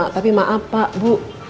tapi maaf pak bu